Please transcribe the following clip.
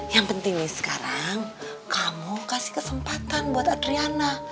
yang penting nih sekarang kamu kasih kesempatan buat adriana